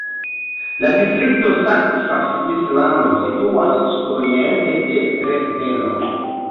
La distrikto Saksa Svislando situas sudoriente de Dresdeno.